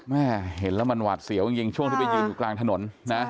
แม่เห็นแล้วมันหวาดเสียวจริงช่วงที่ไปยืนอยู่กลางถนนนะ